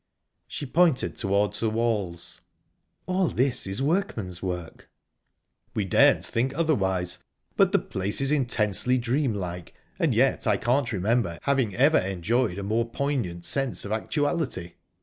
She pointed towards the walls "All this is workmen's work." "We daren't think otherwise. But the place is intensely dreamlike ...and yet I can't remember having ever enjoyed a more poignant sense of actuality."